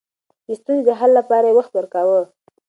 د ستونزو د حل لپاره يې وخت ورکاوه.